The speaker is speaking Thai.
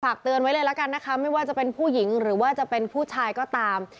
เตือนไว้เลยละกันนะคะไม่ว่าจะเป็นผู้หญิงหรือว่าจะเป็นผู้ชายก็ตาม